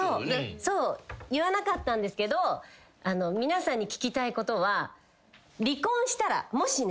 言わなかったんですけどあの皆さんに聞きたいことは。